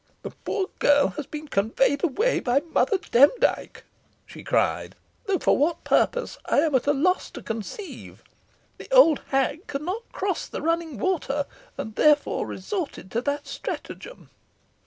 "The poor girl has been conveyed away by Mother Demdike," she cried, "though for what purpose I am at a loss to conceive. The old hag could not cross the running water, and therefore resorted to that stratagem."